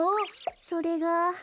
それが。